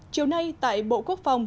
chiều nay tại bộ quốc phòng